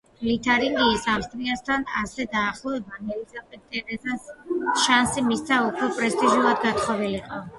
ლოთარინგიის ავსტრიასთან ასე დაახლოვებამ ელიზაბეტ ტერეზას შანსი მისცა უფრო პრესტიჟულად გათხოვილიყო.